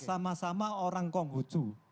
kenapa sama orang konghucu